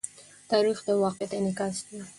تاریخ د واقعیت انعکاس دی.